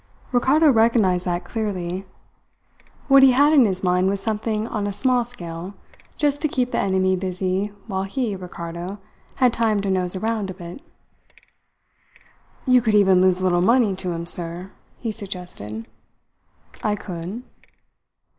Ricardo recognized that clearly. What he had in his mind was something on a small scale, just to keep the enemy busy while he, Ricardo, had time to nose around a bit. "You could even lose a little money to him, sir," he suggested. "I could."